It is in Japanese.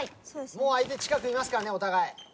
もう相手近くにいますからねお互い。